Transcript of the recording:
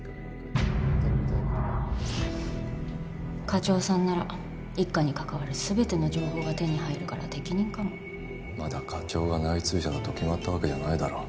課長さんなら一課に関わるすべての情報が手に入るから適任かもまだ課長が内通者だと決まったわけじゃないだろ